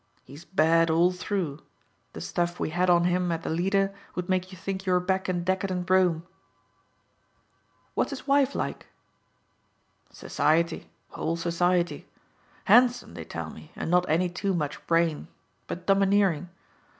He's bad all through. The stuff we had on him at the Leader would make you think you were back in decadent Rome." "What's his wife like?" "Society all Society. Handsome, they tell me, and not any too much brain, but domineering.